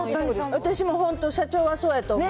私も本当、社長はそうやと思う。